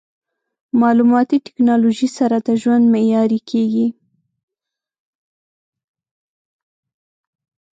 مالوماتي ټکنالوژي سره د ژوند معیاري کېږي.